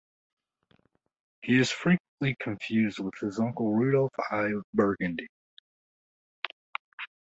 He is frequently confused with his uncle Rudolph I of Burgundy.